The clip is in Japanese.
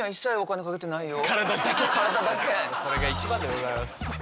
それが一番でございます。